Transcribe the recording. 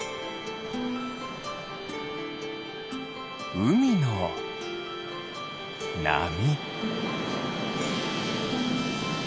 うみのなみ。